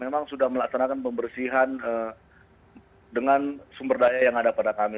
memang sudah melaksanakan pembersihan dengan sumber daya yang ada pada kami